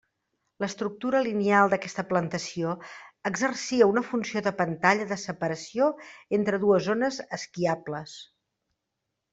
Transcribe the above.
L'estructura lineal d'aquesta plantació exercia una funció de pantalla de separació entre dues zones esquiables.